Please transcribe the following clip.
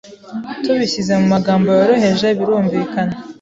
Tubishyize mu magambo yoroheje birumvikana